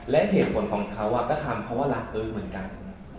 และเหตุผลของเขาก็ทำเพราะว่ารักเออเหมือนกัน